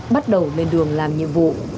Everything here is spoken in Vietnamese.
bắt đầu lên đường làm nhiệm vụ